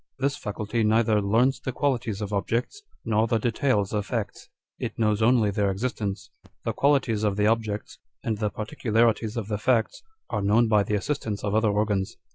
This faculty neither learns the qualities of objects, nor the details of facts : it knows only their existence. The qualities of the objects, and the particularities of the facts, are known by the assistance of other organs.